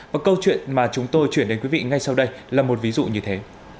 và câu chuyện mà chúng tôi chuyển đến quý vị ngay sau đây là một ví dụ như thế